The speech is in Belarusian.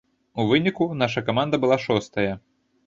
У выніку, наша каманда была шостая.